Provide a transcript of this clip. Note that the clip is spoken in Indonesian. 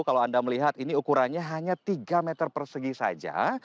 kalau anda melihat ini ukurannya hanya tiga meter persegi saja